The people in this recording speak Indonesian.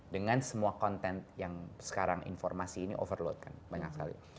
dengan semua konten yang sekarang informasi ini overload kan banyak sekali